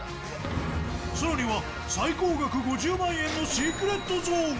さらには、最高額５０万円のシークレットゾーンが。